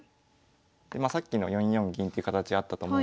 さっきの４四銀っていう形あったと思うんですけど。